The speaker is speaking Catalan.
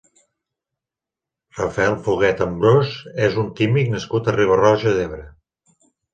Rafael Foguet Ambrós és un químic nascut a Riba-roja d'Ebre.